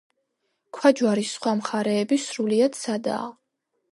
ქვაჯვარის სხვა მხარეები სრულიად სადაა.